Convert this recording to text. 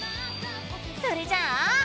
それじゃあ！